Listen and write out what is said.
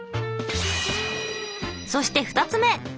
そして２つ目！